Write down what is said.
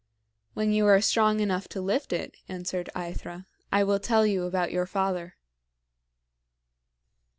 "When you are strong enough to lift it," answered AEthra, "I will tell you about your father."